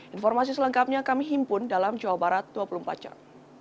informasi selengkapnya kami himpun dalam jawa barat dua puluh empat jam